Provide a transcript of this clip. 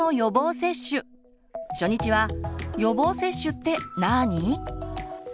初日は「予防接種ってなに？」。